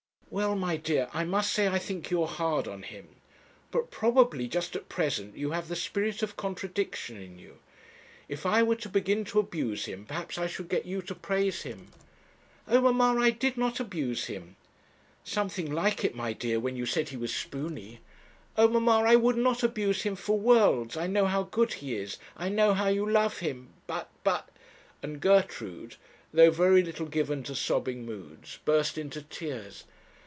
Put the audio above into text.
'Well, my dear, I must say I think you are hard on him. But, probably, just at present you have the spirit of contradiction in you. If I were to begin to abuse him, perhaps I should get you to praise him.' 'Oh, mamma, I did not abuse him.' 'Something like it, my dear, when you said he was spoony.' 'Oh, mamma, I would not abuse him for worlds I know how good he is, I know how you love him, but, but ' and Gertrude, though very little given to sobbing moods, burst into tears.